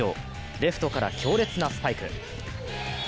レフトから強烈なスパイク。